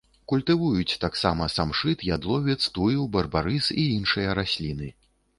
Культывуюць таксама самшыт, ядловец, тую, барбарыс і іншыя расліны.